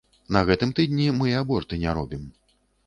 На гэтым тыдні мы і аборты не робім.